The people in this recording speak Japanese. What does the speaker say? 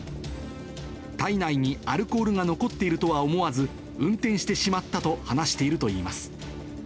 体内にアルコールが残っているとは思わず、運転してしまったと話しているといいます。